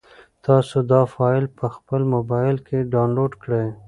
تاسو دا فایل په خپل موبایل کې ډاونلوډ کړئ.